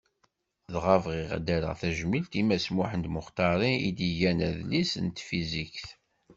Dɣa bɣiɣ ad as-rreɣ tajmilt i Mass Muḥend Muxṭari i d-igan adlis n tfizikt.